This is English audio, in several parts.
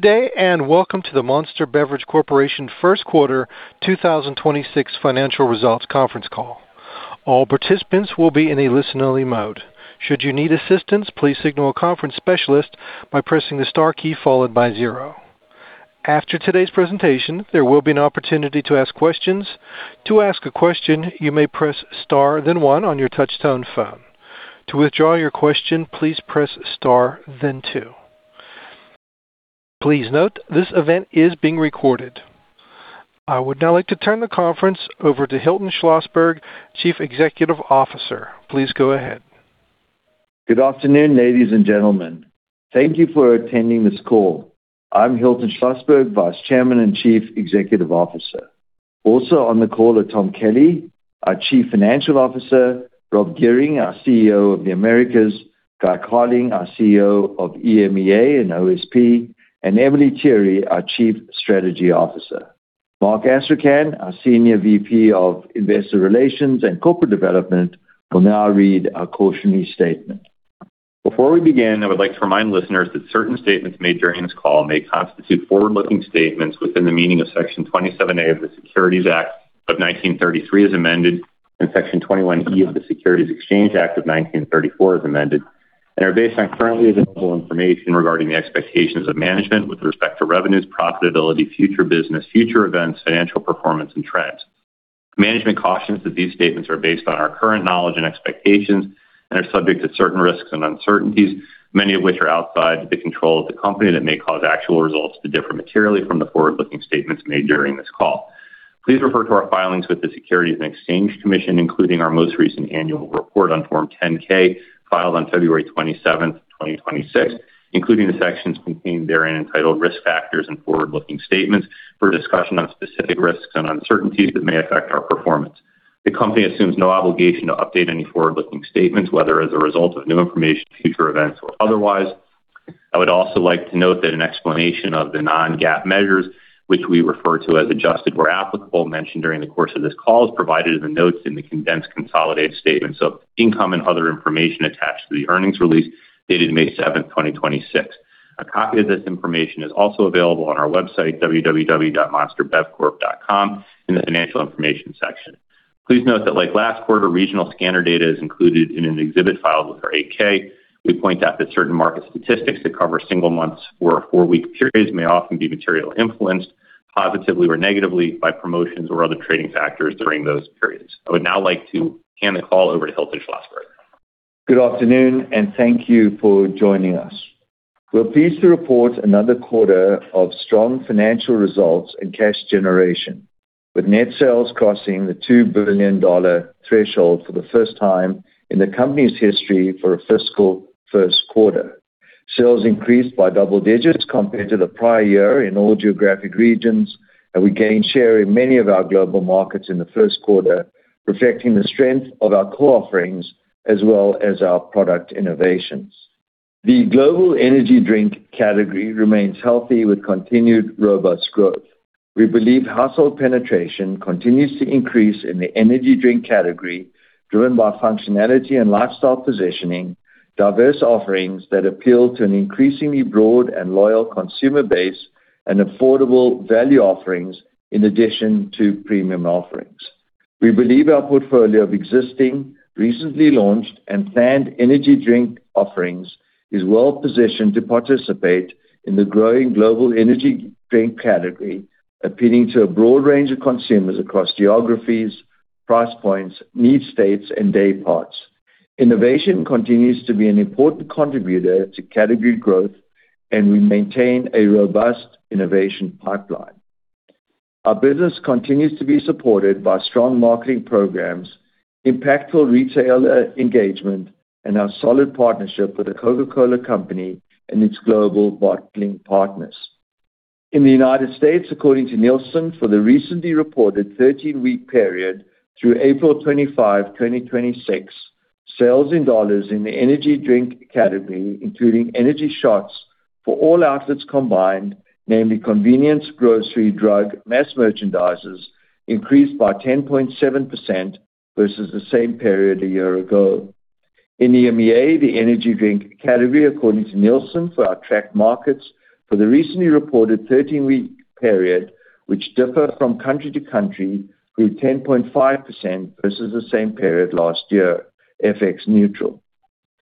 Day, welcome to the Monster Beverage Corporation first quarter 2026 financial results conference call. I would now like to turn the conference over to Hilton Schlosberg, Chief Executive Officer. Please go ahead. Good afternoon, ladies and gentlemen. Thank you for attending this call. I'm Hilton Schlosberg, Vice Chairman and Chief Executive Officer. Also on the call are Tom Kelly, our Chief Financial Officer, Rob Gehring, our CEO of the Americas, Guy Carling, our CEO of EMEA and OSP, and Emelie Tirre, our Chief Strategy Officer. Mark Astrachan, our Senior VP of Investor Relations and Corporate Development, will now read our cautionary statement. Before we begin, I would like to remind listeners that certain statements made during this call may constitute forward-looking statements within the meaning of Section 27A of the Securities Act of 1933 as amended, and Section 21E of the Securities Exchange Act of 1934 as amended, and are based on currently available information regarding the expectations of management with respect to revenues, profitability, future business, future events, financial performance, and trends. Management cautions that these statements are based on our current knowledge and expectations and are subject to certain risks and uncertainties, many of which are outside the control of the company that may cause actual results to differ materially from the forward-looking statements made during this call. Please refer to our filings with the Securities and Exchange Commission, including our most recent annual report on Form 10-K filed on February 27th, 2026, including the sections contained therein entitled Risk Factors and Forward-Looking Statements for a discussion on specific risks and uncertainties that may affect our performance. The company assumes no obligation to update any forward-looking statements, whether as a result of new information, future events, or otherwise. I would also like to note that an explanation of the non-GAAP measures, which we refer to as adjusted where applicable, mentioned during the course of this call, is provided in the notes in the condensed consolidated statements of income and other information attached to the earnings release dated May 7th, 2026. A copy of this information is also available on our website, www.monsterbevcorp.com, in the Financial Information section. Please note that like last quarter, regional scanner data is included in an exhibit filed with our 8-K. We point out that certain market statistics that cover single months or four-week periods may often be materially influenced, positively or negatively, by promotions or other trading factors during those periods. I would now like to hand the call over to Hilton Schlosberg. Good afternoon, and thank you for joining us. We're pleased to report another quarter of strong financial results and cash generation, with net sales crossing the $2 billion threshold for the first time in the company's history for a fiscal first quarter. Sales increased by double digits compared to the prior year in all geographic regions, and we gained share in many of our global markets in the first quarter, reflecting the strength of our core offerings as well as our product innovations. The global energy drink category remains healthy with continued robust growth. We believe household penetration continues to increase in the energy drink category, driven by functionality and lifestyle positioning, diverse offerings that appeal to an increasingly broad and loyal consumer base, and affordable value offerings in addition to premium offerings. We believe our portfolio of existing, recently launched, and planned energy drink offerings is well positioned to participate in the growing global energy drink category, appealing to a broad range of consumers across geographies, price points, need states, and day parts. Innovation continues to be an important contributor to category growth. We maintain a robust innovation pipeline. Our business continues to be supported by strong marketing programs, impactful retailer engagement, and our solid partnership with The Coca-Cola Company and its global bottling partners. In the United States, according to Nielsen, for the recently reported 13-week period through April 25, 2026, sales in dollars in the energy drink category, including energy shots for all outlets combined, namely convenience, grocery, drug, mass merchandisers, increased by 10.7% versus the same period a year ago. In EMEA, the energy drink category, according to Nielsen, for our tracked markets for the recently reported 13-week period, which differ from country to country, grew 10.5% versus the same period last year, FX neutral.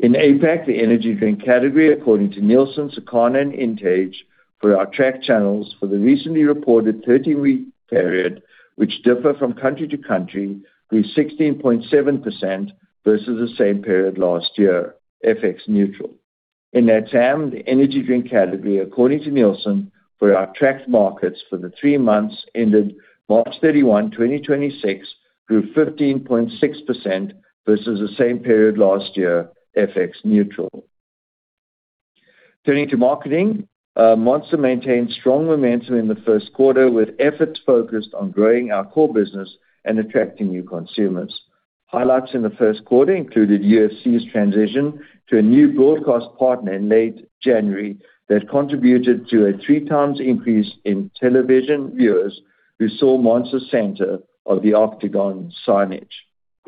In APAC, the energy drink category, according to Nielsen, Circana, and INTAGE for our tracked channels for the recently reported 13-week period, which differ from country to country, grew 16.7% versus the same period last year, FX neutral. In LATAM, the energy drink category, according to Nielsen, for our tracked markets for the three months ended March 31, 2026, grew 15.6% versus the same period last year, FX neutral. Turning to marketing, Monster maintained strong momentum in the first quarter, with efforts focused on growing our core business and attracting new consumers. Highlights in the first quarter included UFC's transition to a new broadcast partner in late January that contributed to a 3x increase in television viewers who saw Monster center of the Octagon signage.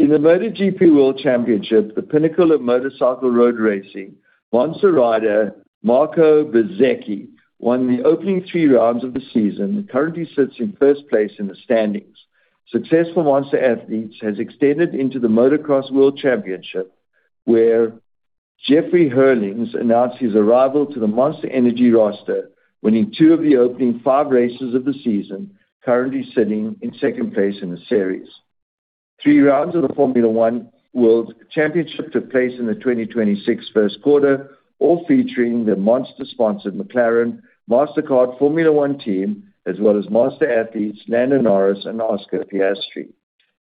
In the MotoGP World Championship, the pinnacle of motorcycle road racing, Monster rider Marco Bezzecchi won the opening three rounds of the season and currently sits in first place in the standings. Successful Monster athletes has extended into the Motocross World Championship, where Jeffrey Herlings announced his arrival to the Monster Energy roster, winning two of the opening five races of the season, currently sitting in second place in the series. Three rounds of the Formula 1 World Championship took place in the 2026 first quarter, all featuring the Monster-sponsored McLaren Mastercard Formula 1 Team, as well as Monster athletes Lando Norris and Oscar Piastri.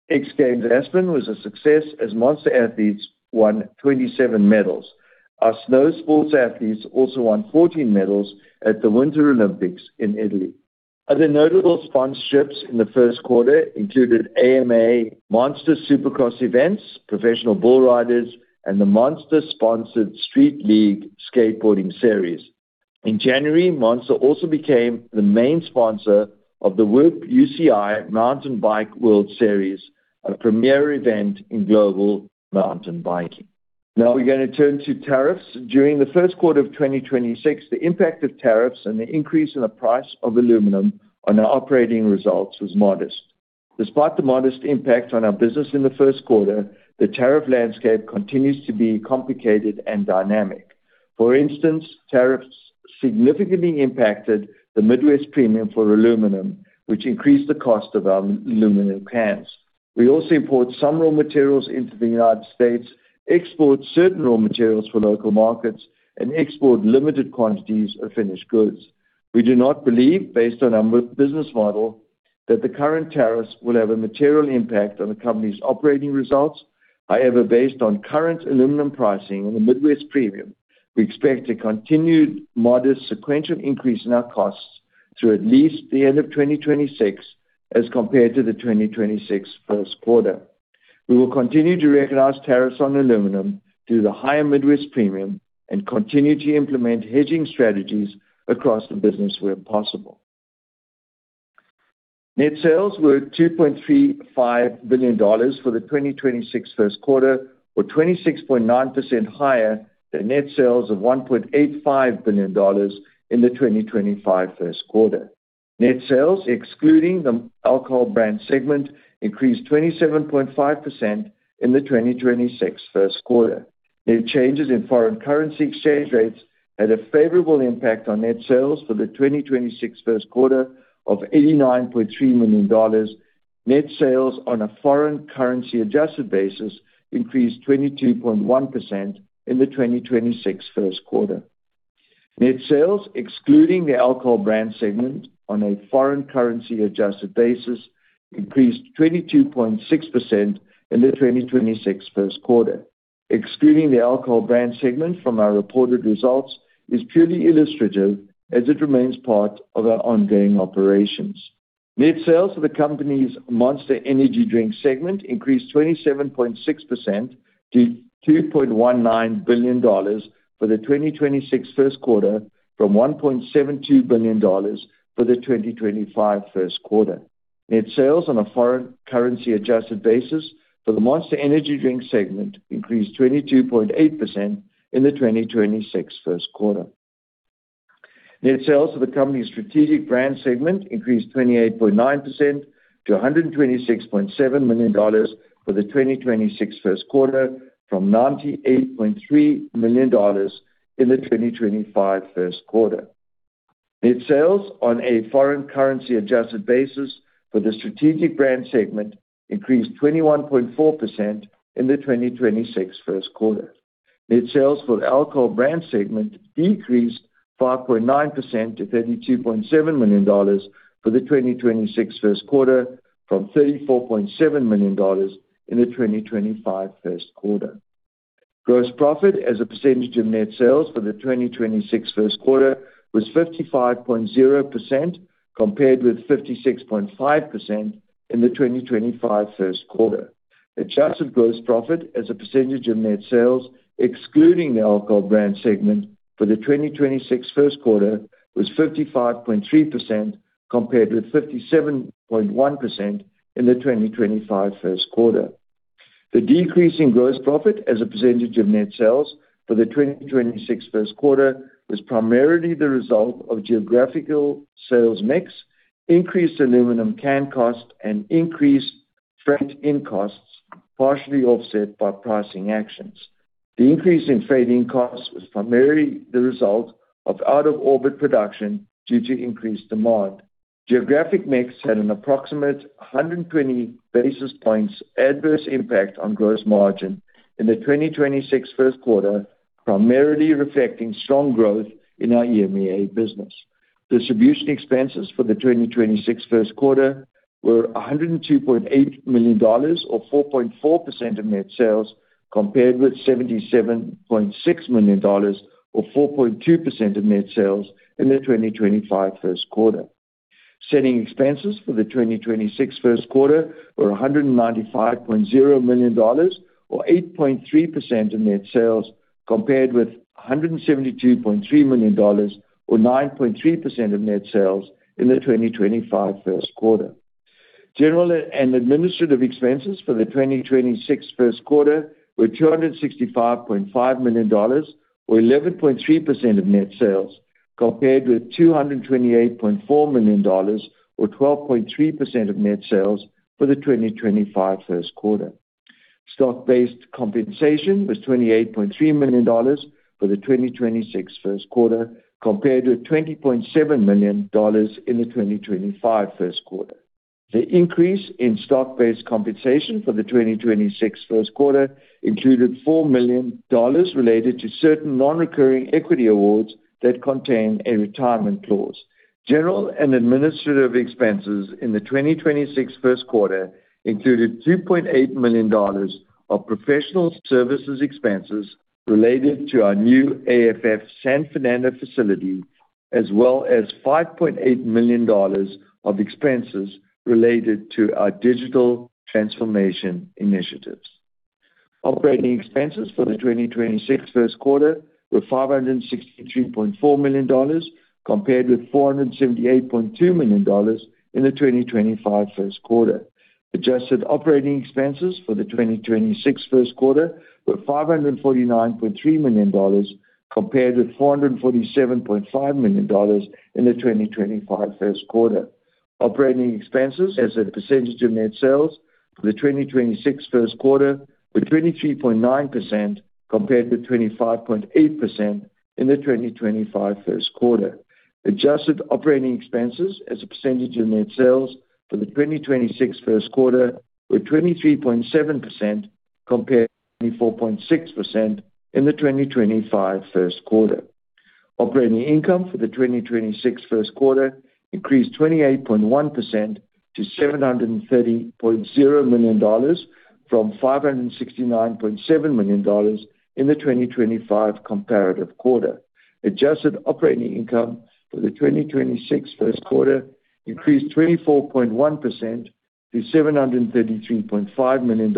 X Games Aspen was a success as Monster athletes won 27 medals. Our snow sports athletes also won 14 medals at the Winter Olympics in Italy. Other notable sponsorships in the first quarter included AMA Monster Supercross events, professional bull riders, and the Monster-sponsored Street League Skateboarding series. In January, Monster also became the main sponsor of the UCI Mountain Bike World Series, a premier event in global mountain biking. Now we're gonna turn to tariffs. During the first quarter of 2026, the impact of tariffs and the increase in the price of aluminum on our operating results was modest. Despite the modest impact on our business in the first quarter, the tariff landscape continues to be complicated and dynamic. For instance, tariffs significantly impacted the Midwest premium for aluminum, which increased the cost of our aluminum cans. We also import some raw materials into the United States, export certain raw materials for local markets, and export limited quantities of finished goods. We do not believe, based on our business model, that the current tariffs will have a material impact on the company's operating results. Based on current aluminum pricing and the Midwest Premium, we expect a continued modest sequential increase in our costs through at least the end of 2026 as compared to the 2026 first quarter. We will continue to recognize tariffs on aluminum through the higher Midwest Premium and continue to implement hedging strategies across the business where possible. Net sales were $2.35 billion for the 2026 first quarter, or 26.9% higher than net sales of $1.85 billion in the 2025 first quarter. Net sales, excluding the Alcohol Brands segment, increased 27.5% in the 2026 first quarter. Net changes in foreign currency exchange rates had a favorable impact on net sales for the 2026 first quarter of $89.3 million. Net sales on a foreign currency adjusted basis increased 22.1% in the 2026 first quarter. Net sales, excluding the Alcohol Brands segment on a foreign currency adjusted basis, increased 22.6% in the 2026 first quarter. Excluding the Alcohol Brands segment from our reported results is purely illustrative as it remains part of our ongoing operations. Net sales for the company's Monster Energy Drinks segment increased 27.6% to $2.19 billion for the 2026 first quarter from $1.72 billion for the 2025 first quarter. Net sales on a foreign currency adjusted basis for the Monster Energy Drinks segment increased 22.8% in the 2026 first quarter. Net sales for the company's Strategic Brands segment increased 28.9% to $126.7 million for the 2026 first quarter from $98.3 million in the 2025 first quarter. Net sales on a foreign currency adjusted basis for the Strategic Brands segment increased 21.4% in the 2026 first quarter. Net sales for the Alcohol Brands segment decreased 5.9% to $32.7 million for the 2026 first quarter from $34.7 million in the 2025 first quarter. Gross profit as a percentage of net sales for the 2026 first quarter was 55.0% compared with 56.5% in the 2025 first quarter. Adjusted gross profit as a percentage of net sales, excluding the Alcohol Brands segment for the 2026 first quarter, was 55.3% compared with 57.1% in the 2025 first quarter. The decrease in gross profit as a percentage of net sales for the 2026 first quarter was primarily the result of geographical sales mix, increased aluminum can cost, and increased freight in costs, partially offset by pricing actions. The increase in freight in costs was primarily the result of out-of-orbit production due to increased demand. Geographic mix had an approximate 120 basis points adverse impact on gross margin in the 2026 first quarter, primarily reflecting strong growth in our EMEA business. Distribution expenses for the 2026 first quarter were $102.8 million or 4.4% of net sales, compared with $77.6 million or 4.2% of net sales in the 2025 first quarter. Selling expenses for the 2026 first quarter were $195.0 million or 8.3% of net sales, compared with $172.3 million or 9.3% of net sales in the 2025 first quarter. General and administrative expenses for the 2026 first quarter were $265.5 million, or 11.3% of net sales, compared with $228.4 million, or 12.3% of net sales, for the 2025 first quarter. Stock-based compensation was $28.3 million for the 2026 first quarter compared with $20.7 million in the 2025 first quarter. The increase in stock-based compensation for the 2026 first quarter included $4 million related to certain non-recurring equity awards that contain a retirement clause. General and administrative expenses in the 2026 first quarter included $2.8 million of professional services expenses related to our new AFF San Fernando facility, as well as $5.8 million of expenses related to our digital transformation initiatives. Operating expenses for the 2026 first quarter were $563.4 million, compared with $478.2 million in the 2025 first quarter. Adjusted operating expenses for the 2026 first quarter were $549.3 million compared with $447.5 million in the 2025 first quarter. Operating expenses as a percentage of net sales for the 2026 first quarter were 23.9% compared to 25.8% in the 2025 first quarter. Adjusted operating expenses as a percentage of net sales for the 2026 first quarter were 23.7% compared to 24.6% in the 2025 first quarter. Operating income for the 2026 first quarter increased 28.1% to $730.0 million from $569.7 million in the 2025 comparative quarter. Adjusted operating income for the 2026 first quarter increased 24.1% to $733.5 million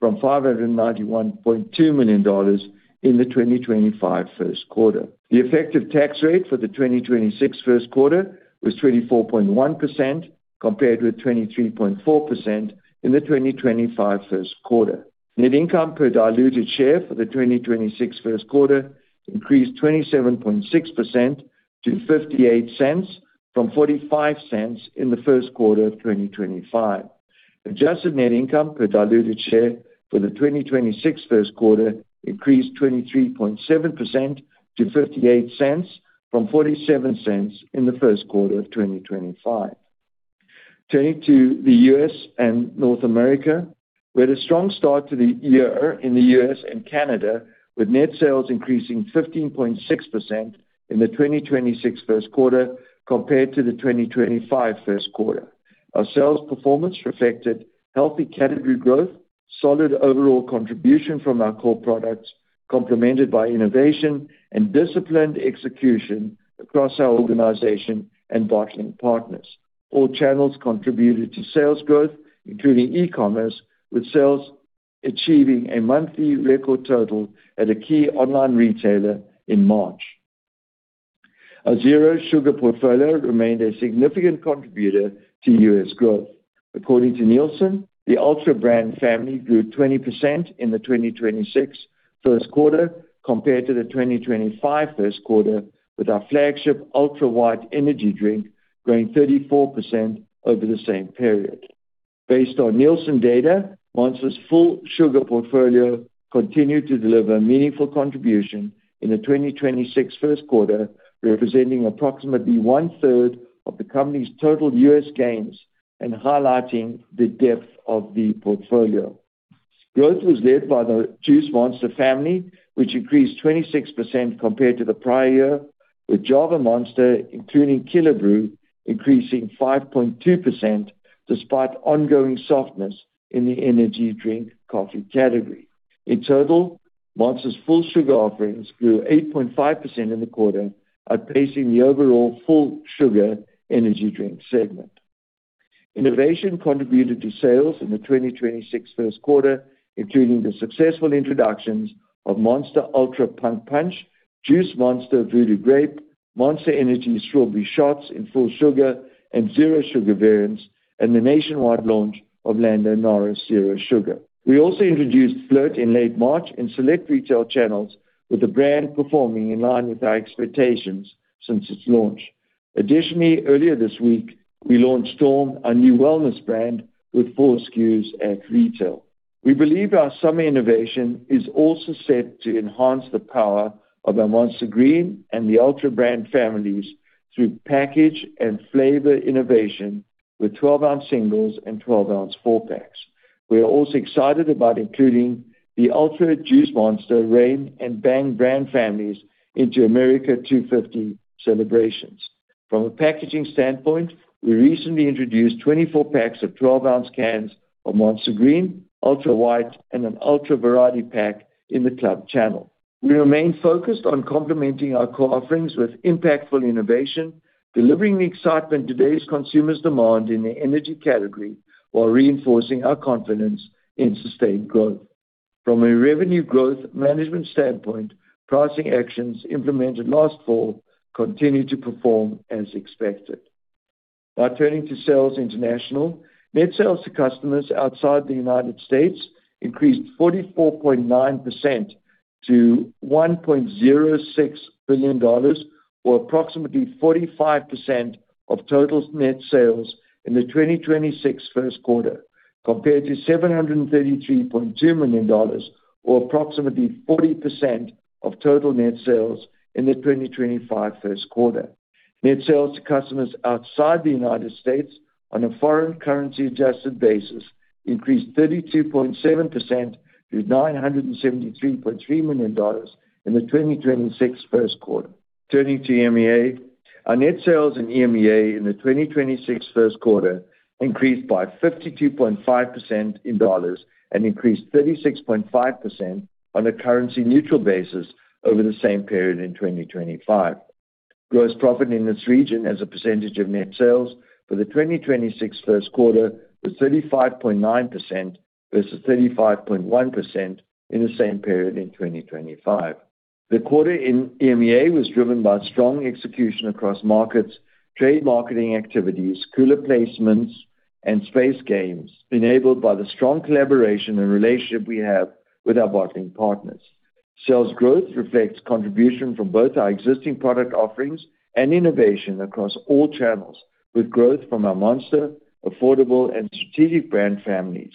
from $591.2 million in the 2025 first quarter. The effective tax rate for the 2026 first quarter was 24.1%, compared with 23.4% in the 2025 first quarter. Net income per diluted share for the 2026 first quarter increased 27.6% to $0.58 from $0.45 in the first quarter of 2025. Adjusted net income per diluted share for the 2026 first quarter increased 23.7% to $0.58 from $0.47 in the first quarter of 2025. Turning to the U.S. and North America. We had a strong start to the year in the U.S. and Canada, with net sales increasing 15.6% in the 2026 first quarter compared to the 2025 first quarter. Our sales performance reflected healthy category growth, solid overall contribution from our core products, complemented by innovation and disciplined execution across our organization and bottling partners. All channels contributed to sales growth, including e-commerce, with sales achieving a monthly record total at a key online retailer in March. Our Zero Sugar portfolio remained a significant contributor to U.S. growth. According to Nielsen, the Ultra brand family grew 20% in the 2026 first quarter compared to the 2025 first quarter, with our flagship Ultra White energy drink growing 34% over the same period. Based on Nielsen data, Monster's full sugar portfolio continued to deliver meaningful contribution in the 2026 first quarter, representing approximately one-third of the company's total U.S. gains and highlighting the depth of the portfolio. Growth was led by the Juice Monster family, which increased 26% compared to the prior year, with Java Monster, including Killer Brew, increasing 5.2% despite ongoing softness in the energy drink coffee category. In total, Monster's full sugar offerings grew 8.5% in the quarter, outpacing the overall full sugar energy drink segment. Innovation contributed to sales in the 2026 first quarter, including the successful introductions of Monster Ultra Punk'd Punch, Juice Monster Voodoo Grape, Monster Energy Strawberry Shot in full sugar and zero sugar variants, and the nationwide launch of Lando Norris Zero Sugar. We also introduced FLRT in late March in select retail channels, with the brand performing in line with our expectations since its launch. Additionally, earlier this week, we launched Storm, a new wellness brand, with four SKUs at retail. We believe our summer innovation is also set to enhance the power of the Monster Green and the Ultra brand families through package and flavor innovation with 12-ounce singles and 12-ounce four-packs. We are also excited about including the Ultra, Juice Monster, Reign, and Bang brand families into America 250 celebrations. From a packaging standpoint, we recently introduced 24-packs of 12-ounce cans of Monster Green, Ultra White, and an Ultra variety pack in the club channel. We remain focused on complementing our core offerings with impactful innovation, delivering the excitement today's consumers demand in the energy category while reinforcing our confidence in sustained growth. From a revenue growth management standpoint, pricing actions implemented last fall continue to perform as expected. Now turning to sales international. Net sales to customers outside the United States increased 44.9% to $1.06 billion, or approximately 45% of total net sales in the 2026 first quarter, compared to $733.2 million or approximately 40% of total net sales in the 2025 first quarter. Net sales to customers outside the United States on a foreign currency adjusted basis increased 32.7% to $973.3 million in the 2026 first quarter. Turning to EMEA. Our net sales in EMEA in the 2026 first quarter increased by 52.5% in dollars and increased 36.5% on a currency neutral basis over the same period in 2025. Gross profit in this region as a percentage of net sales for the 2026 first quarter was 35.9% versus 35.1% in the same period in 2025. The quarter in EMEA was driven by strong execution across markets, trade marketing activities, cooler placements and space games enabled by the strong collaboration and relationship we have with our bottling partners. Sales growth reflects contribution from both our existing product offerings and innovation across all channels, with growth from our Monster affordable and Strategic brand families.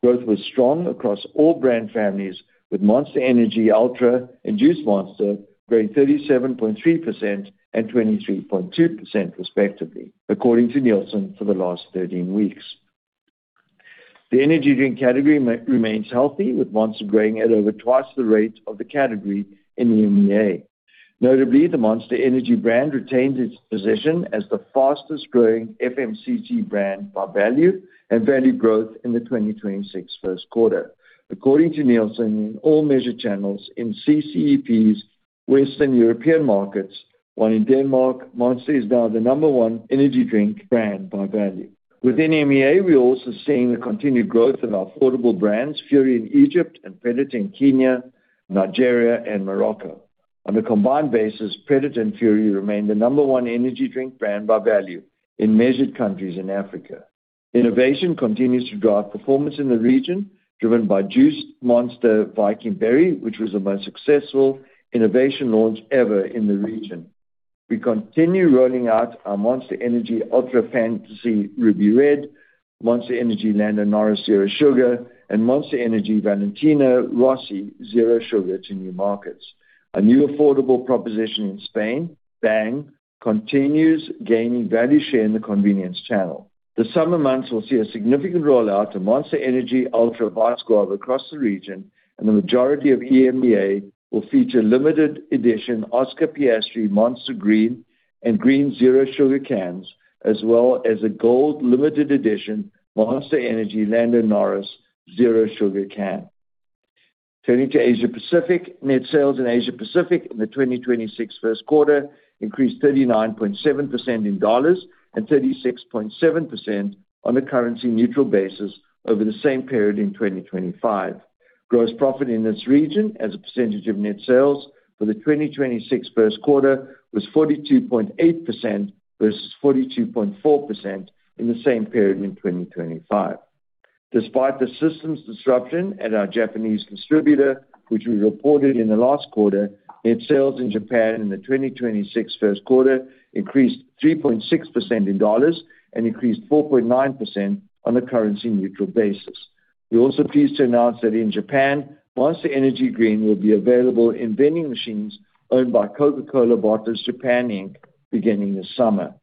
Growth was strong across all brand families with Monster Energy Ultra and Juice Monster growing 37.3% and 23.2% respectively, according to Nielsen for the last 13 weeks. The energy drink category remains healthy, with Monster growing at over twice the rate of the category in EMEA. Notably, the Monster Energy brand retains its position as the fastest growing FMCG brand by value and value growth in the 2026 first quarter. According to Nielsen, in all measured channels in CCEP's Western European markets, while in Denmark, Monster is now the number one energy drink brand by value. Within EMEA, we are also seeing the continued growth of our affordable brands, Fury in Egypt and Predator in Kenya, Nigeria and Morocco. On a combined basis, Predator and Fury remain the number one energy drink brand by value in measured countries in Africa. Innovation continues to drive performance in the region, driven by Juiced Monster Viking Berry, which was the most successful innovation launch ever in the region. We continue rolling out our Monster Energy Ultra Fantasy Ruby Red, Monster Energy Lando Norris Zero Sugar and Monster Energy Valentino Rossi Zero Sugar to new markets. Our new affordable proposition in Spain, Bang, continues gaining value share in the convenience channel. The summer months will see a significant rollout of Monster Energy Ultra Vice Guava across the region and the majority of EMEA will feature limited edition Oscar Piastri Monster Green and Green Zero Sugar cans, as well as a gold limited edition Monster Energy Lando Norris Zero Sugar can. Turning to Asia-Pacific. Net sales in Asia-Pacific in the 2026 first quarter increased 39.7% in dollars and 36.7% on a currency neutral basis over the same period in 2025. Gross profit in this region as a percentage of net sales for the 2026 first quarter was 42.8% versus 42.4% in the same period in 2025. Despite the systems disruption at our Japanese distributor, which we reported in the last quarter, net sales in Japan in the 2026 first quarter increased 3.6% in dollars and increased 4.9% on a currency neutral basis. We are also pleased to announce that in Japan, Monster Energy Green will be available in vending machines owned by Coca-Cola Bottlers Japan Inc. beginning this summer.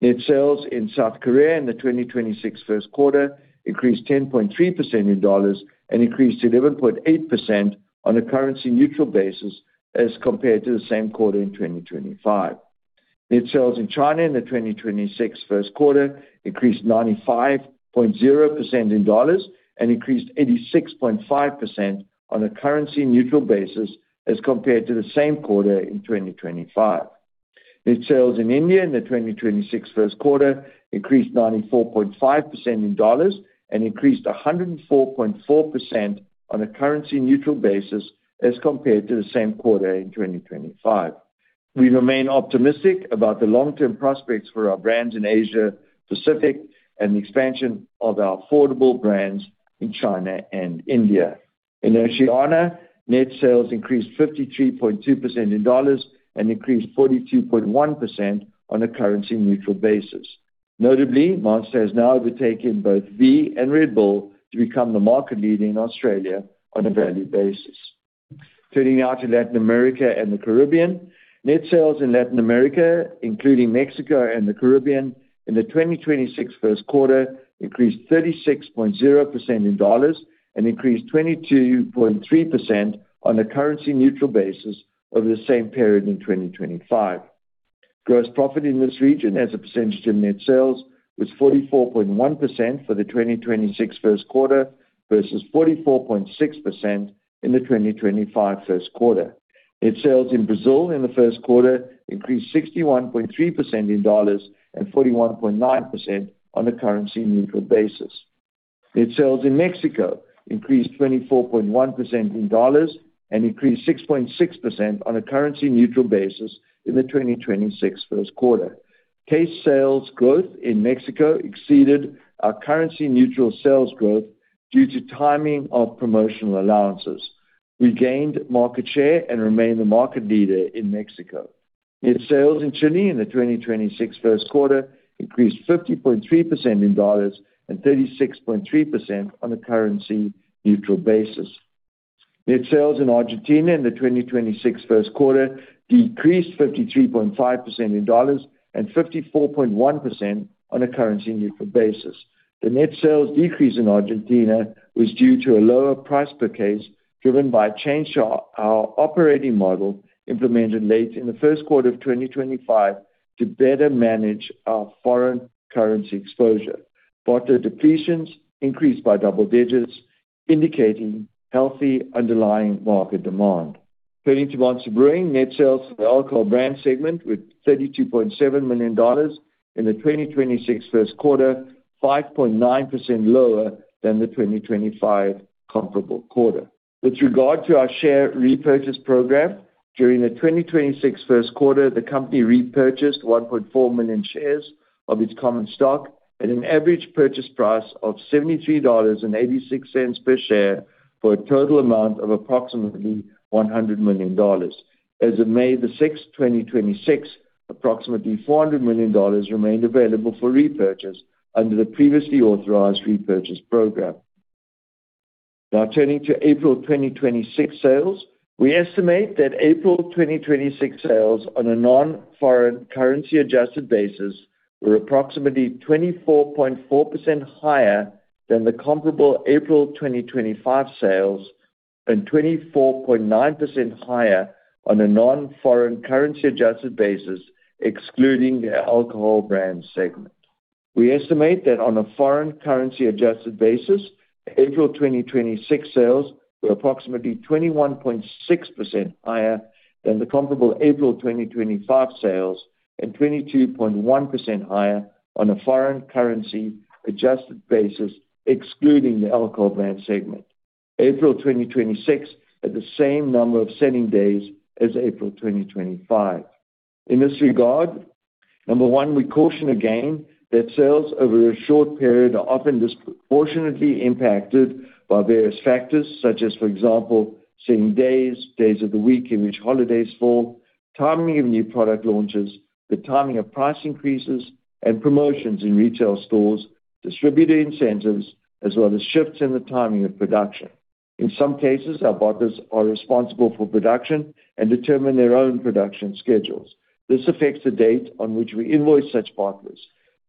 Net sales in South Korea in the 2026 first quarter increased 10.3% in dollars and increased 11.8% on a currency neutral basis as compared to the same quarter in 2025. Net sales in China in the 2026 first quarter increased 95.0% in dollars and increased 86.5% on a currency neutral basis as compared to the same quarter in 2025. Net sales in India in the 2026 first quarter increased 94.5% in dollars and increased 104.4% on a currency neutral basis as compared to the same quarter in 2025. We remain optimistic about the long-term prospects for our brands in Asia Pacific and the expansion of our affordable brands in China and India. In Oceania, net sales increased 53.2% in dollars and increased 42.1% on a currency neutral basis. Notably, Monster has now overtaken both V and Red Bull to become the market leader in Australia on a value basis. Turning now to Latin America and the Caribbean. Net sales in Latin America, including Mexico and the Caribbean in the 2026 first quarter increased 36.0% in dollars and increased 22.3% on a currency neutral basis over the same period in 2025. Gross profit in this region as a percentage of net sales was 44.1% for the 2026 first quarter versus 44.6% in the 2025 first quarter. Net sales in Brazil in the first quarter increased 61.3% in dollars and 41.9% on a currency neutral basis. Net sales in Mexico increased 24.1% in dollars and increased 6.6% on a currency neutral basis in the 2026 first quarter. Case sales growth in Mexico exceeded our currency neutral sales growth due to timing of promotional allowances. We gained market share and remain the market leader in Mexico. Net sales in Chile in the 2026 first quarter increased 50.3% in dollars and 36.3% on an FX neutral basis. Net sales in Argentina in the 2026 first quarter decreased 53.5% in dollars and 54.1% on an FX neutral basis. The net sales decrease in Argentina was due to a lower price per case, driven by a change to our operating model implemented late in the first quarter of 2025 to better manage our foreign currency exposure. Bottled depletions increased by double digits, indicating healthy underlying market demand. Turning to Monster Brewing, net sales for the Alcohol Brands segment were $32.7 million in the 2026 first quarter, 5.9% lower than the 2025 comparable quarter. With regard to our share repurchase program, during the 2026 first quarter, the company repurchased 1.4 million shares of its common stock at an average purchase price of $73.86 per share for a total amount of approximately $100 million. As of May 6, 2026, approximately $400 million remained available for repurchase under the previously authorized repurchase program. Turning to April 2026 sales. We estimate that April 2026 sales on a non-foreign currency adjusted basis were approximately 24.4% higher than the comparable April 2025 sales and 24.9% higher on a non-foreign currency adjusted basis, excluding the Alcohol Brands segment. We estimate that on a foreign currency adjusted basis, April 2026 sales were approximately 21.6% higher than the comparable April 2025 sales and 22.1% higher on a foreign currency adjusted basis, excluding the Alcohol Brands segment. April 2026 had the same number of selling days as April 2025. In this regard, number one, we caution again that sales over a short period are often disproportionately impacted by various factors such as, for example, selling days of the week in which holidays fall, timing of new product launches, the timing of price increases and promotions in retail stores, distributor incentives, as well as shifts in the timing of production. In some cases, our bottlers are responsible for production and determine their own production schedules. This affects the date on which we invoice such bottlers.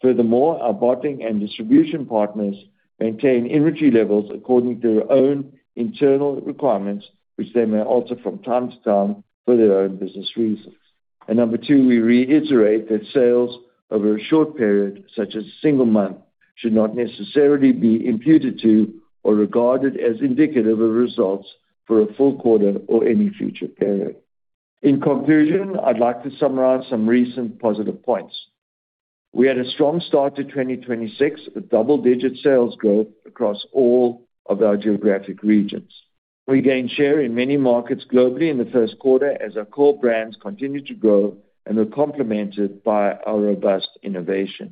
Furthermore, our bottling and distribution partners maintain inventory levels according to their own internal requirements, which they may alter from time to time for their own business reasons. Number two, we reiterate that sales over a short period, such as a single month, should not necessarily be imputed to or regarded as indicative of results for a full quarter or any future period. In conclusion, I'd like to summarize some recent positive points. We had a strong start to 2026, with double-digit sales growth across all of our geographic regions. We gained share in many markets globally in the first quarter as our core brands continued to grow and were complemented by our robust innovation.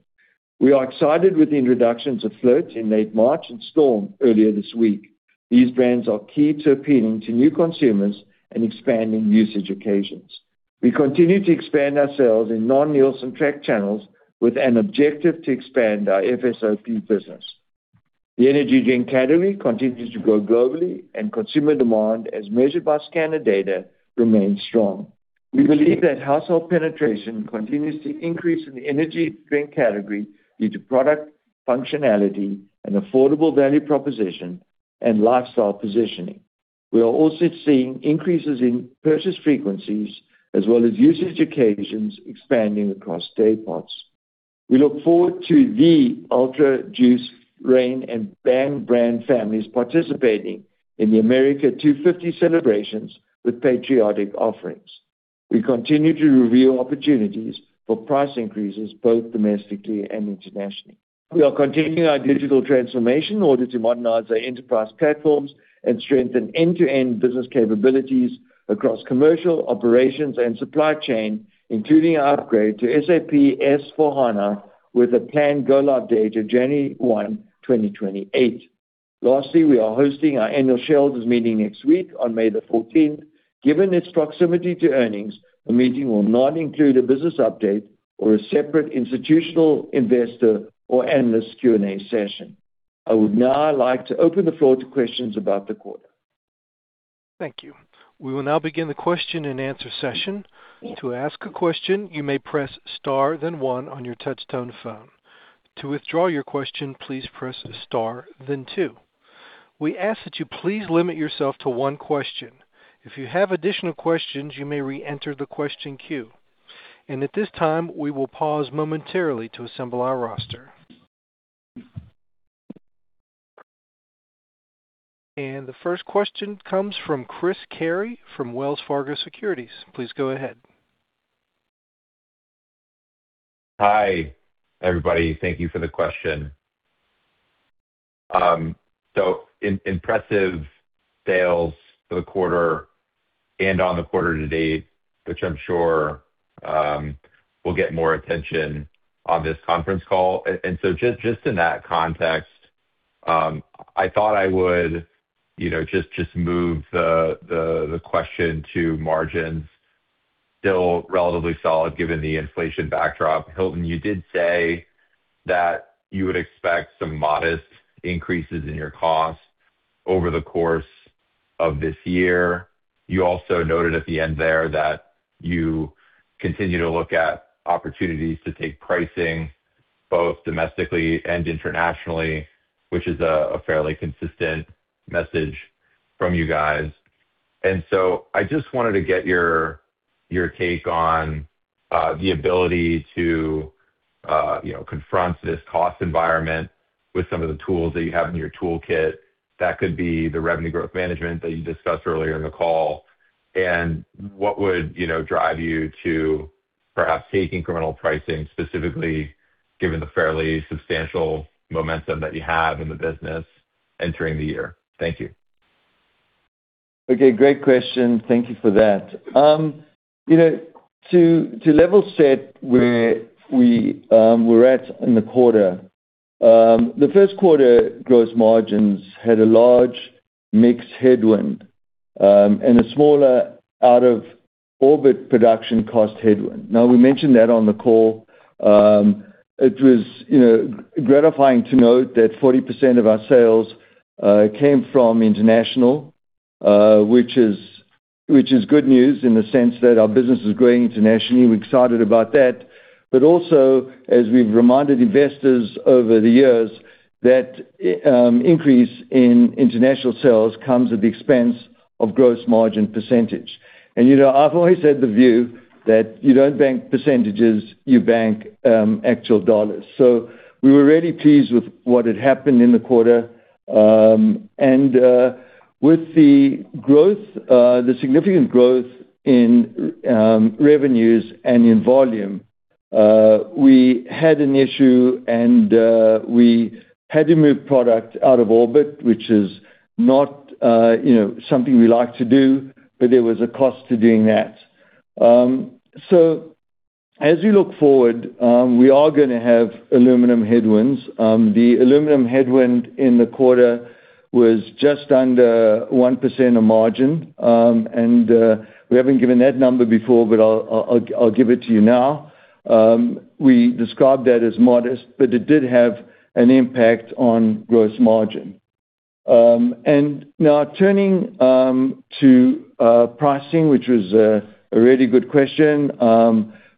We are excited with the introductions of FLRT in late March and Storm earlier this week. These brands are key to appealing to new consumers and expanding usage occasions. We continue to expand our sales in non-Nielsen track channels with an objective to expand our FSOP business. The energy drink category continues to grow globally, and consumer demand, as measured by scanner data, remains strong. We believe that household penetration continues to increase in the energy drink category due to product functionality and affordable value proposition and lifestyle positioning. We are also seeing increases in purchase frequencies as well as usage occasions expanding across day parts. We look forward to the Ultra Juice, Reign, and Bang brand families participating in the America 250 celebrations with patriotic offerings. We continue to review opportunities for price increases both domestically and internationally. We are continuing our digital transformation in order to modernize our enterprise platforms and strengthen end-to-end business capabilities across commercial operations and supply chain, including our upgrade to SAP S/4HANA with a planned go-live date of January 1, 2028. Lastly, we are hosting our annual shareholders meeting next week on May 14. Given its proximity to earnings, the meeting will not include a business update or a separate institutional investor or analyst Q&A session. I would now like to open the floor to questions about the quarter. The first question comes from Chris Carey from Wells Fargo Securities. Please go ahead. Hi, everybody. Thank you for the question. Impressive sales for the quarter and on the quarter to date, which I'm sure will get more attention on this conference call. Just in that context, I thought I would, you know, just move the question to margins still relatively solid given the inflation backdrop. Hilton, you did say that you would expect some modest increases in your costs over the course of this year. You also noted at the end there that you continue to look at opportunities to take pricing both domestically and internationally, which is a fairly consistent message from you guys. I just wanted to get your take on the ability to, you know, confront this cost environment with some of the tools that you have in your toolkit. That could be the revenue growth management that you discussed earlier in the call. What would, you know, drive you to perhaps take incremental pricing, specifically given the fairly substantial momentum that you have in the business entering the year? Thank you. Great question. Thank you for that. You know, to level set where we were at in the quarter, the first quarter gross margins had a large mixed headwind and a smaller out-of-orbit production cost headwind. We mentioned that on the call. It was, you know, gratifying to note that 40% of our sales came from international, which is good news in the sense that our business is growing internationally. We're excited about that. Also, as we've reminded investors over the years, that increase in international sales comes at the expense of gross margin percentage. You know, I've always had the view that you don't bank percentages, you bank actual dollars. We were really pleased with what had happened in the quarter. With the growth, the significant growth in revenues and in volume, we had an issue, and we had to move product out of orbit, which is not, you know, something we like to do, but there was a cost to doing that. As we look forward, we are gonna have aluminum headwinds. The aluminum headwind in the quarter was just under 1% of margin. We haven't given that number before, but I'll give it to you now. We described that as modest, but it did have an impact on gross margin. Now turning to pricing, which was a really good question,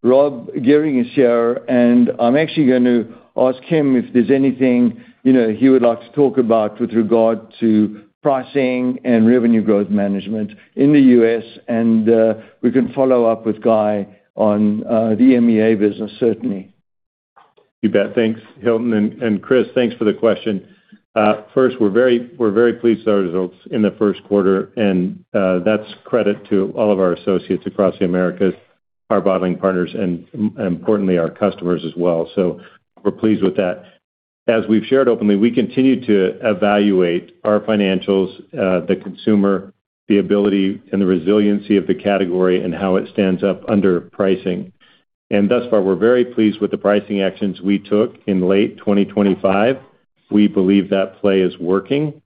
Rob Gehring is here, and I'm actually gonna ask him if there's anything, you know, he would like to talk about with regard to pricing and revenue growth management in the U.S., and we can follow up with Guy on the EMEA business certainly. You bet. Thanks, Hilton. Chris, thanks for the question. First, we're very pleased with our results in the first quarter, and that's credit to all of our associates across the Americas, our bottling partners, and importantly, our customers as well. We're pleased with that. As we've shared openly, we continue to evaluate our financials, the consumer, the ability and the resiliency of the category and how it stands up under pricing. Thus far, we're very pleased with the pricing actions we took in late 2025. We believe that play is working.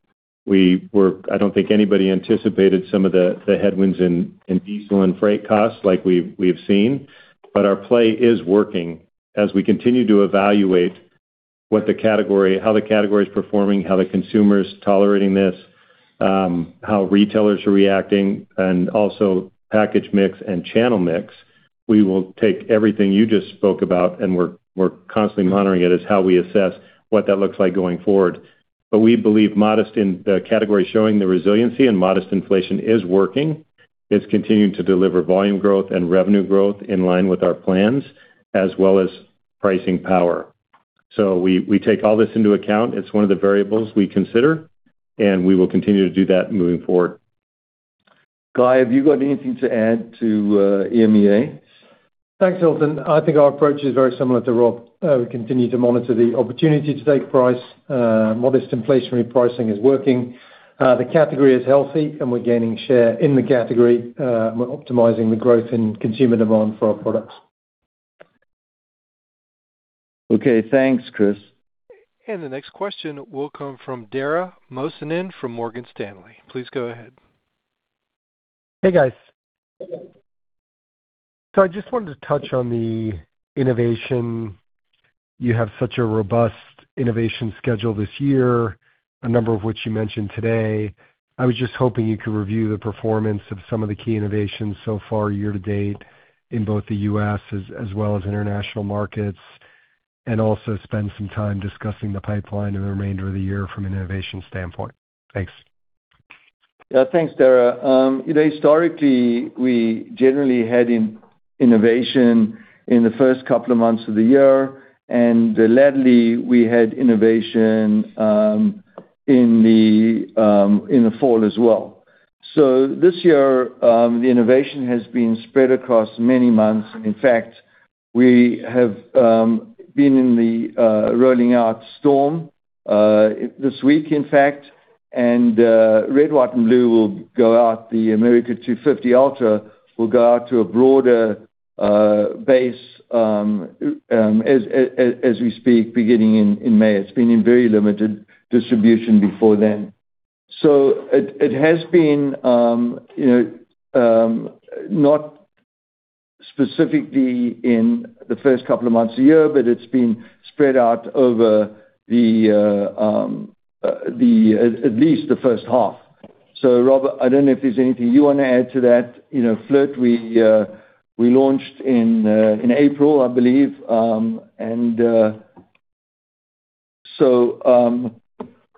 I don't think anybody anticipated some of the headwinds in diesel and freight costs like we've seen. Our play is working as we continue to evaluate how the category is performing, how the consumer is tolerating this, how retailers are reacting, and also package mix and channel mix. We will take everything you just spoke about, and we're constantly monitoring it as how we assess what that looks like going forward. We believe the category showing the resiliency and modest inflation is working. It's continuing to deliver volume growth and revenue growth in line with our plans, as well as pricing power. We take all this into account. It's one of the variables we consider, and we will continue to do that moving forward. Guy, have you got anything to add to EMEA? Thanks, Hilton. I think our approach is very similar to Rob. We continue to monitor the opportunity to take price. Modest inflationary pricing is working. The category is healthy, and we're gaining share in the category, and we're optimizing the growth in consumer demand for our products. Okay. Thanks, Chris. The next question will come from Dara Mohsenian from Morgan Stanley. Please go ahead. Hey, guys. I just wanted to touch on the innovation. You have such a robust innovation schedule this year, a number of which you mentioned today. I was just hoping you could review the performance of some of the key innovations so far year to date in both the U.S. as well as international markets, and also spend some time discussing the pipeline and the remainder of the year from an innovation standpoint. Thanks. Yeah. Thanks, Dara. You know, historically, we generally had innovation in the first couple of months of the year, and lately, we had innovation in the fall as well. This year, the innovation has been spread across many months. In fact, we have been rolling out Storm this week, in fact, and Red, White, and Blue will go out the America 250 Ultra will go out to a broader base as we speak, beginning in May. It's been in very limited distribution before then. It has been, you know, not specifically in the first couple of months a year, but it's been spread out over at least the first half. Rob, I don't know if there's anything you want to add to that. You know, FLRT, we launched in April, I believe.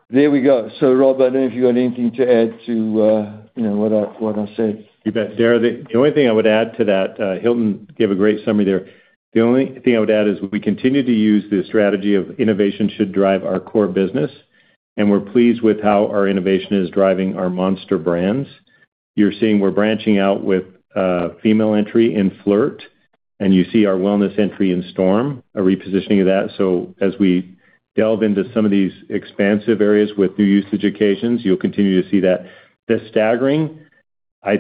There we go. Rob, I don't know if you got anything to add to, you know, what I said. You bet. Dara, the only thing I would add to that, Hilton gave a great summary there. The only thing I would add is we continue to use the strategy of innovation should drive our core business, and we're pleased with how our innovation is driving our Monster brands. You're seeing we're branching out with female entry in FLRT, and you see our wellness entry in Storm, a repositioning of that. As we delve into some of these expansive areas with new usage occasions, you'll continue to see that. The staggering, I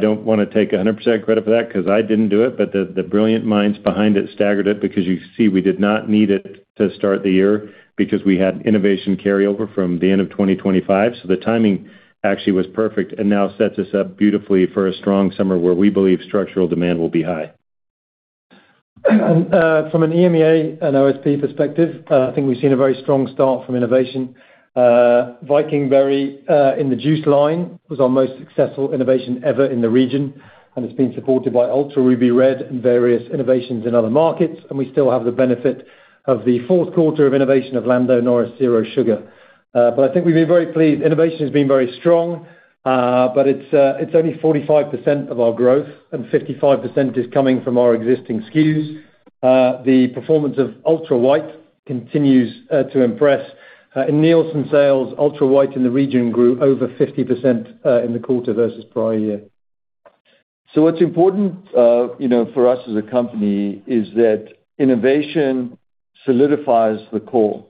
don't wanna take 100% credit for that 'cause I didn't do it, but the brilliant minds behind it staggered it because you see, we did not need it to start the year because we had innovation carryover from the end of 2025. The timing actually was perfect and now sets us up beautifully for a strong summer where we believe structural demand will be high. From an EMEA and OSP perspective, I think we've seen a very strong start from innovation. Viking Berry in the juice line was our most successful innovation ever in the region, and it's been supported by Ultra Ruby Red and various innovations in other markets. We still have the benefit of the fourth quarter of innovation of Lando Norris Zero Sugar. I think we've been very pleased. Innovation has been very strong, but it's only 45% of our growth and 55% is coming from our existing SKUs. The performance of Ultra White continues to impress. In Nielsen sales, Ultra White in the region grew over 50% in the quarter versus prior year. What's important, you know, for us as a company is that innovation solidifies the core.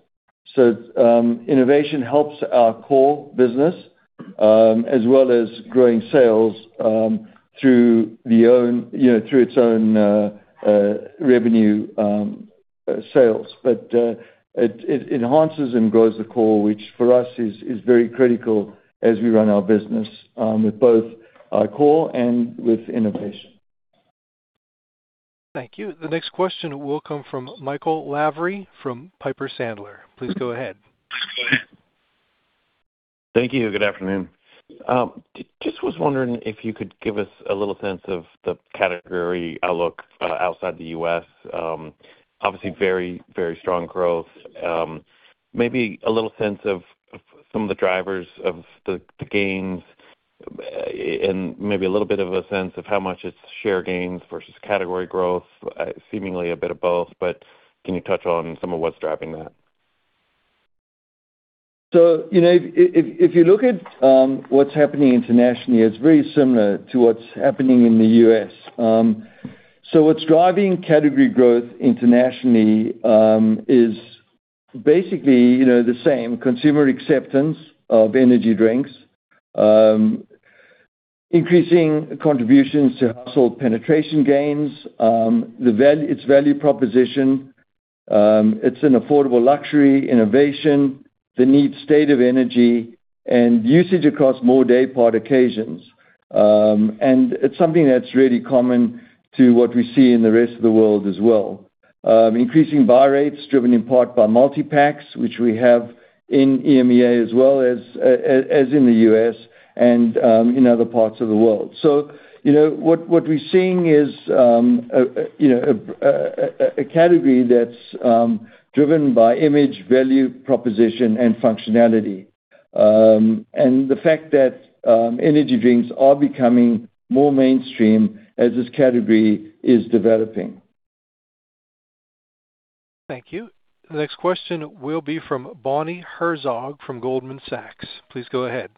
Innovation helps our core business as well as growing sales through the own, you know, through its own revenue sales. It enhances and grows the core, which for us is very critical as we run our business with both our core and with innovation. Thank you. The next question will come from Michael Lavery from Piper Sandler. Please go ahead. Thank you. Good afternoon. Just was wondering if you could give us a little sense of the category outlook outside the U.S. Obviously very strong growth. Maybe a little sense of some of the drivers of the gains and maybe a little bit of a sense of how much it's share gains versus category growth. Seemingly a bit of both, can you touch on some of what's driving that? You know, if you look at what's happening internationally, it's very similar to what's happening in the U.S. What's driving category growth internationally is basically, you know, the same consumer acceptance of energy drinks, increasing contributions to household penetration gains. Its value proposition, it's an affordable luxury, innovation, the need state of energy and usage across more daypart occasions. It's something that's really common to what we see in the rest of the world as well. Increasing buy rates driven in part by multi-packs, which we have in EMEA as well as in the U.S. and in other parts of the world. You know, what we're seeing is a category that's driven by image, value, proposition, and functionality. The fact that energy drinks are becoming more mainstream as this category is developing. Thank you. The next question will be from Bonnie Herzog from Goldman Sachs. Please go ahead.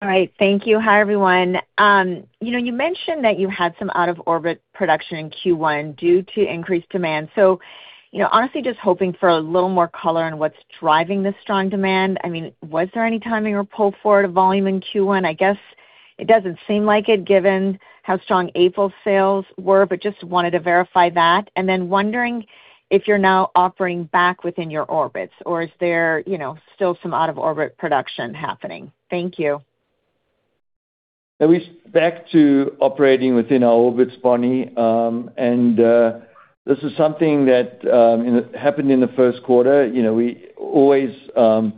All right. Thank you. Hi, everyone. You know, you mentioned that you had some out of orbit production in Q1 due to increased demand. You know, honestly, just hoping for a little more color on what's driving the strong demand. I mean, was there any timing or pull forward of volume in Q1? I guess it doesn't seem like it, given how strong April sales were, but just wanted to verify that. Then wondering if you're now operating back within your orbits or is there, you know, still some out of orbit production happening? Thank you. Yeah, we're back to operating within our orbits, Bonnie. This is something that happened in the first quarter. You know, we always, a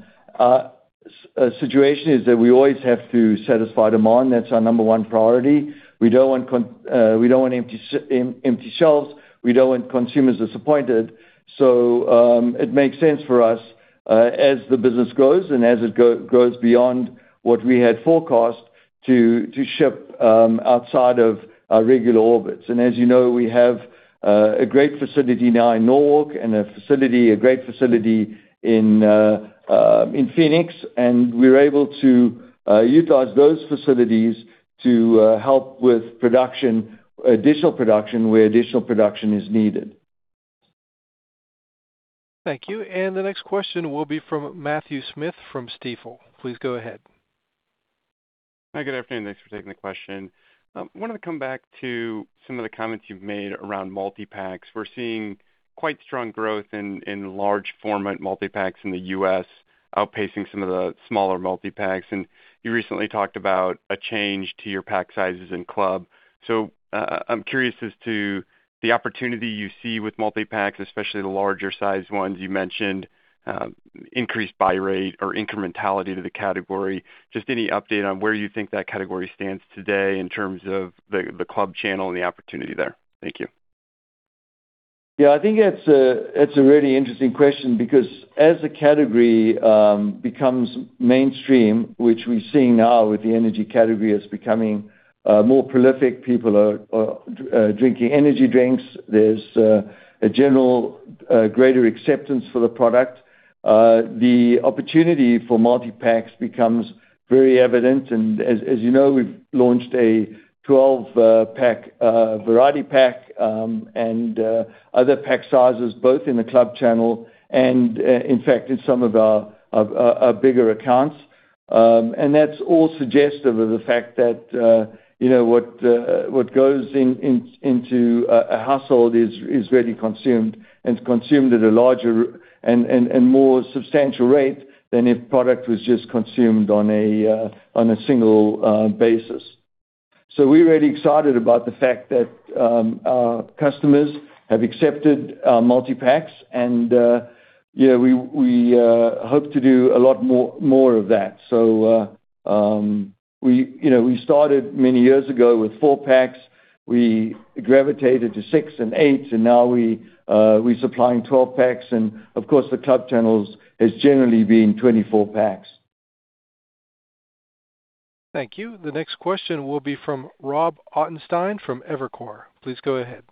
situation is that we always have to satisfy demand. That's our number one priority. We don't want empty shelves. We don't want consumers disappointed. It makes sense for us, as the business grows and as it grows beyond what we had forecast, to ship outside of our regular orbits. As you know, we have a great facility now in Norwalk and a great facility in Phoenix, and we're able to utilize those facilities to help with production, additional production where additional production is needed. Thank you. The next question will be from Matthew Smith from Stifel. Please go ahead. Hi, good afternoon. Thanks for taking the question. Wanted to come back to some of the comments you've made around multipacks. We're seeing quite strong growth in large format multipacks in the U.S., outpacing some of the smaller multipacks. You recently talked about a change to your pack sizes in club. I'm curious as to the opportunity you see with multipacks, especially the larger sized ones. You mentioned increased buy rate or incrementality to the category. Just any update on where you think that category stands today in terms of the club channel and the opportunity there? Thank you. I think that's a really interesting question because as the category becomes mainstream, which we're seeing now with the energy category as becoming more prolific, people are drinking energy drinks. There's a general greater acceptance for the product. The opportunity for multipacks becomes very evident. As you know, we've launched a 12-pack variety pack and other pack sizes, both in the club channel and in fact, in some of our bigger accounts. That's all suggestive of the fact that, you know, what goes into a household is really consumed and consumed at a larger and more substantial rate than if product was just consumed on a single basis. We're really excited about the fact that our customers have accepted multipacks and, yeah, we hope to do a lot more of that. We, you know, we started many years ago with four-packs. We gravitated to six and eights, and now we're supplying 12-packs and of course, the club channels has generally been 24-packs. Thank you. The next question will be from Rob Ottenstein from Evercore. Please go ahead.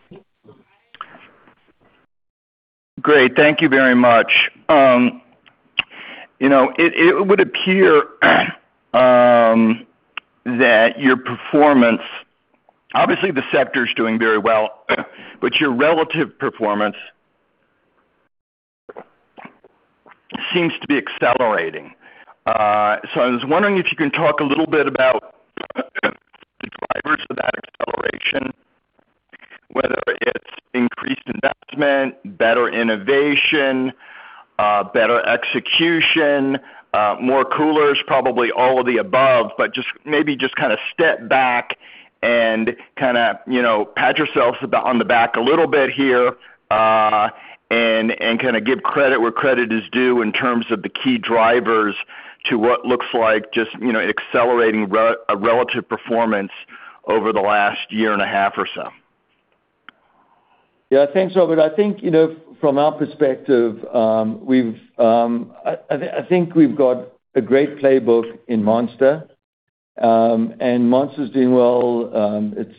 Great. Thank you very much. You know, it would appear that your performance Obviously, the sector is doing very well, but your relative performance seems to be accelerating. I was wondering if you can talk a little bit about the drivers of that acceleration, whether it's increased investment, better innovation, better execution, more coolers, probably all of the above, but just maybe just kinda step back and kinda, you know, pat yourself on the back a little bit here, and kinda give credit where credit is due in terms of the key drivers to what looks like just, you know, accelerating a relative performance over the last 1.5 years or so. Thanks, Robert. I think, you know, from our perspective, we've got a great playbook in Monster. Monster is doing well. It's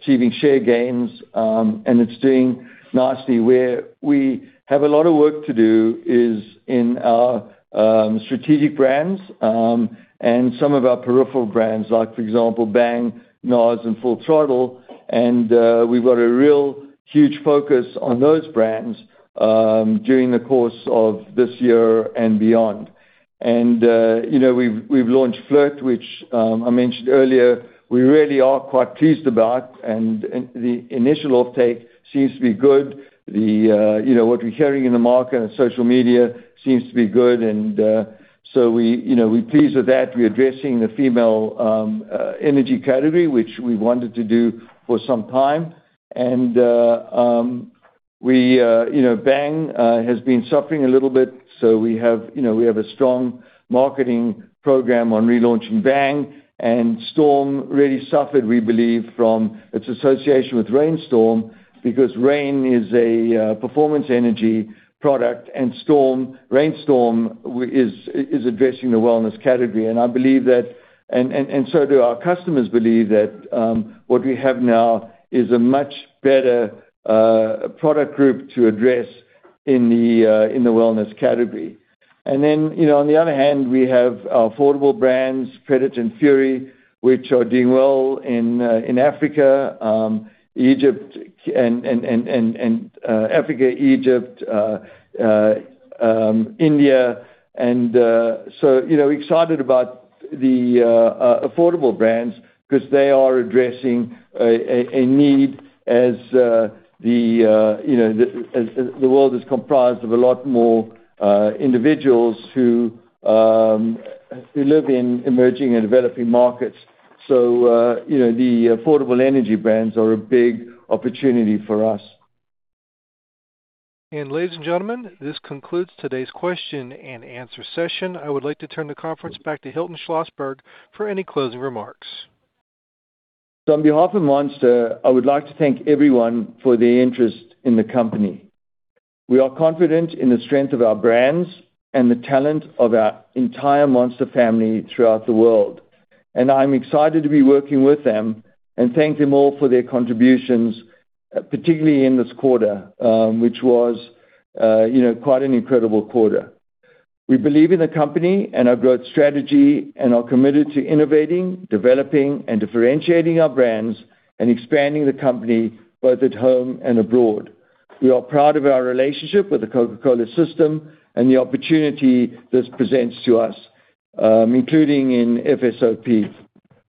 achieving share gains. It's doing nicely. Where we have a lot of work to do is in our Strategic Brands, and some of our peripheral brands, like, for example, Bang, NOS, and Full Throttle. We've got a real huge focus on those brands during the course of this year and beyond. You know, we've launched FLRT, which I mentioned earlier, we really are quite pleased about. The initial off-take seems to be good. The, you know, what we're hearing in the market and social media seems to be good. We, you know, we're pleased with that. We're addressing the female energy category, which we wanted to do for some time. We, you know, Bang has been suffering a little bit. We have, you know, we have a strong marketing program on relaunching Bang. Storm really suffered, we believe, from its association with Reign Storm because Reign is a performance energy product, and Storm, Reign Storm is addressing the wellness category. I believe that, and so do our customers believe that, what we have now is a much better product group to address in the wellness category. You know, on the other hand, we have our affordable brands, Predator and Fury, which are doing well in Africa, Egypt, India. You know, excited about the affordable brands because they are addressing a need as, you know, as the world is comprised of a lot more individuals who live in emerging and developing markets. You know, the affordable energy brands are a big opportunity for us. Ladies and gentlemen, this concludes today's question and answer session. I would like to turn the conference back to Hilton Schlosberg for any closing remarks. On behalf of Monster, I would like to thank everyone for their interest in the company. We are confident in the strength of our brands and the talent of our entire Monster family throughout the world. I'm excited to be working with them and thank them all for their contributions, particularly in this quarter, you know, quite an incredible quarter. We believe in the company and our growth strategy and are committed to innovating, developing, and differentiating our brands and expanding the company both at home and abroad. We are proud of our relationship with the Coca-Cola system and the opportunity this presents to us, including in FSOP.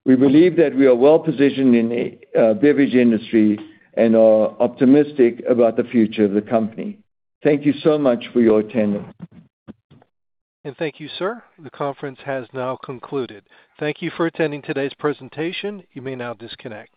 We believe that we are well-positioned in the beverage industry and are optimistic about the future of the company. Thank you so much for your attendance. Thank you, sir. The conference has now concluded. Thank you for attending today's presentation. You may now disconnect.